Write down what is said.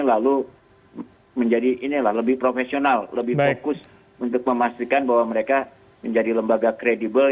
lalu menjadi inilah lebih profesional lebih fokus untuk memastikan bahwa mereka menjadi lembaga kredibel